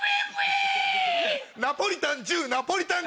ナポリタン１０ナポリタン